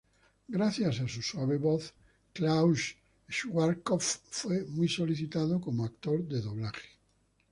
Gracias a su suave voz, Klaus Schwarzkopf fue muy solicitado como actor de doblaje.